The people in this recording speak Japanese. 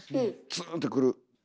ツーンってくる。